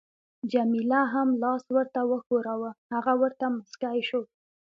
جميله هم لاس ورته وښوراوه، هغه ورته مسکی شو.